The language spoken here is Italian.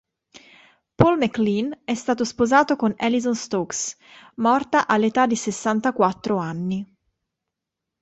Paul MacLean è stato sposato con Alison Stokes, morta all'età di sessantaquattro anni.